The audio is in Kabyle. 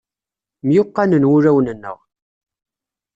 Myuqqanen wulawen-nneɣ.